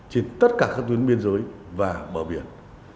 trên tất cả các tuyến biên giới và bờ biển